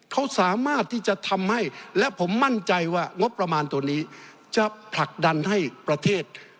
เขาสามารถที่จะทำให้และผมมั่นใจว่างบประมาณตัวนี้จะผลักดันให้ประเทศ